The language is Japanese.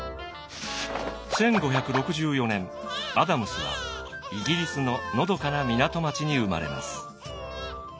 １５６４年アダムスはイギリスののどかな港町に生まれます。